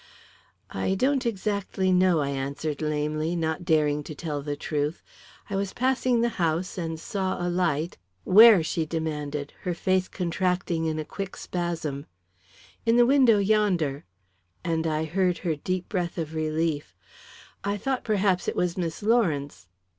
"I don't exactly know," I answered lamely, not daring to tell the truth. "I was passing the house and saw a light " "Where?" she demanded, her face contracting in a quick spasm. "In the window yonder," and I heard her deep breath of relief. "I thought perhaps it was Miss Lawrence."